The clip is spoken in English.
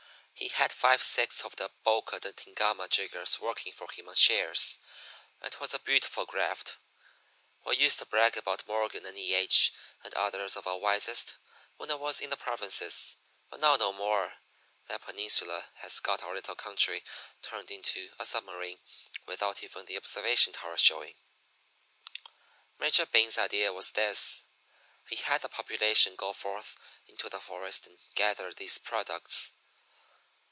He had five sixths of the Boca de Thingama jiggers working for him on shares. It was a beautiful graft. We used to brag about Morgan and E. H. and others of our wisest when I was in the provinces but now no more. That peninsula has got our little country turned into a submarine without even the observation tower showing. "Major Bing's idea was this. He had the population go forth into the forest and gather these products.